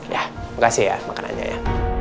ya makasih ya makanannya ya